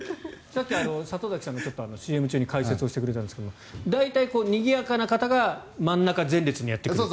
里崎さんが、さっきＣＭ中に解説してくれたんですが大体、にぎやかな方が真ん中前列にやってくるという。